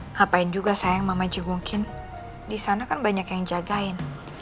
ngapain juga sayang mama jengukin disana kan banyak yang jagain